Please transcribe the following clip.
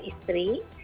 dia ingat posisi istri